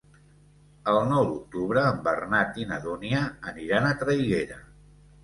El nou d'octubre en Bernat i na Dúnia aniran a Traiguera.